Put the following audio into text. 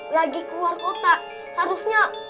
lagi keluar kota harusnya